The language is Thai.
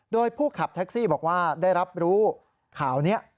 โดยผู้ขับแท็กซี่บอกว่าได้รับรู้ข่าวนี้